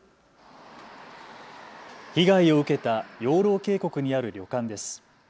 被害を受けた養老渓谷にある旅館です。